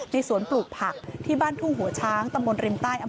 สวนปลูกผักที่บ้านทุ่งหัวช้างตำบลริมใต้